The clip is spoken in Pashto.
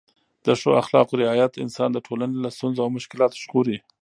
د ښو اخلاقو رعایت انسان د ټولنې له ستونزو او مشکلاتو ژغوري.